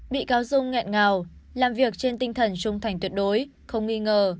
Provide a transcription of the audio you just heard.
bị cáo dung nghẹn ngào làm việc trên tinh thần trung thành tuyệt đối không nghi ngờ